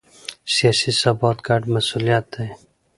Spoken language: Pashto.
سیاسي ثبات ګډ مسوولیت دی